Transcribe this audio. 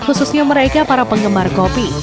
khususnya mereka para penggemar kopi